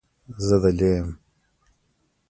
زه دلې یم.